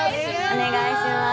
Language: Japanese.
お願いします。